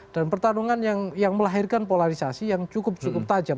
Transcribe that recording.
dan pertarungan yang melahirkan polarisasi yang cukup cukup tajam